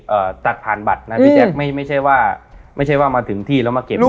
เอ่อตัดผ่านบัตรนะอืมพี่แจ๊กไม่ไม่ใช่ว่าไม่ใช่ว่ามาถึงที่แล้วมาเก็บเงินครับ